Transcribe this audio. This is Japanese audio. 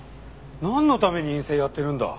なんのために院生やってるんだ。